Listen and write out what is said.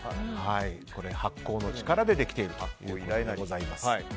発酵の力でできているということでございます。